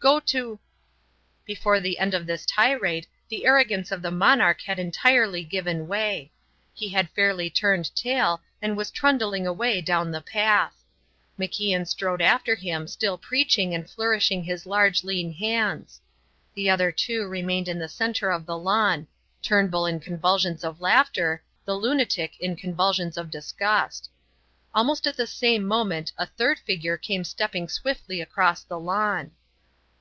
Go to " Before the end of this tirade the arrogance of the monarch had entirely given way; he had fairly turned tail and was trundling away down the path. MacIan strode after him still preaching and flourishing his large, lean hands. The other two remained in the centre of the lawn Turnbull in convulsions of laughter, the lunatic in convulsions of disgust. Almost at the same moment a third figure came stepping swiftly across the lawn.